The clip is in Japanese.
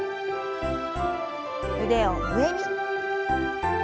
腕を上に。